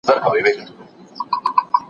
ماشومان باید په مینه کتاب ته وهڅول سي.